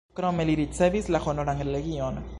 Krome li ricevis la Honoran Legion.